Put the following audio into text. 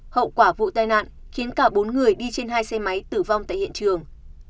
hậu quả vụ tai nạn khiến cả bốn người đi trên hai xe máy tử vong tại hiện trường